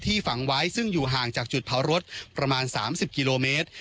ที่ฝั่งไวซ์ซึ่งอยู่ห่างจากจุดเผารถประมาณสามสิบกิโลเมตร